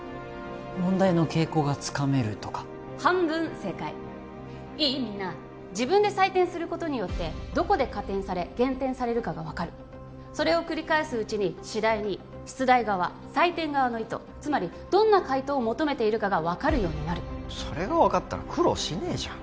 問題の傾向がつかめるとか半分正解いいみんな自分で採点することによってどこで加点され減点されるかが分かるそれを繰り返すうちに次第に出題側採点側の意図つまりどんな解答を求めているかが分かるようになるそれが分かったら苦労しねえじゃん